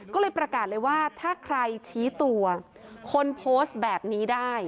ก็เลยประกาศเลยว่าถ้าใครชี้ตัวคนโพสต์แบบนี้ได้